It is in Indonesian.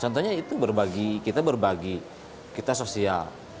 contohnya itu kita berbagi kita sosial